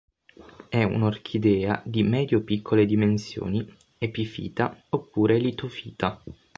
È un'orchidea di medio-piccole dimensioni, epifita oppure litofita.